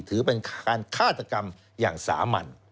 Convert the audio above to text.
ถือเป็นการฆาตกรรมอย่างสามัญ